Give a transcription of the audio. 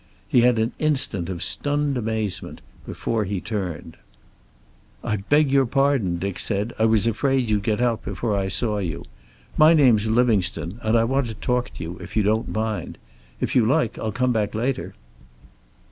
He had an instant of stunned amazement before he turned. "I beg your pardon," Dick said. "I was afraid you'd get out before I saw you. My name's Livingstone, and I want to talk to you, if you don't mind. If you like I'll come back later."